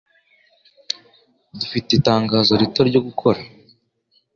Dufite itangazo rito ryo gukora.